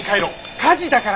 火事だから。